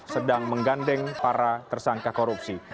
sedang menggandeng para tersangka korupsi